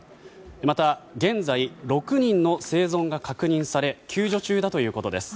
また、現在６人の生存が確認され救助中だということです。